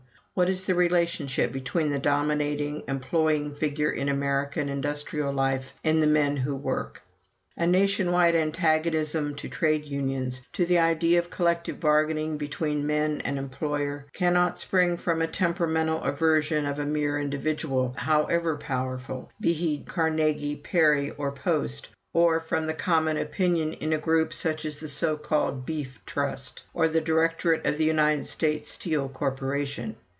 What is the relationship between the dominating employing figure in American industrial life and the men who work? "A nation wide antagonism to trade unions, to the idea of collective bargaining between men and employer, cannot spring from a temperamental aversion of a mere individual, however powerful, be he Carnegie, Parry, or Post, or from the common opinion in a group such as the so called Beef Trust, or the directorate of the United States Steel Corporation.